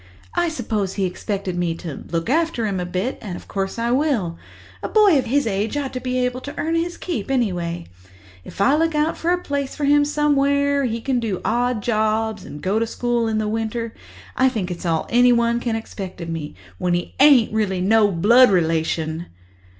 I suppose he expected me to look after him a bit—and of course I will. A boy of his age ought to be able to earn his keep, anyway. If I look out a place for him somewhere where he can do odd jobs and go to school in the winter, I think it's all anyone can expect of me, when he ain't really no blood relation."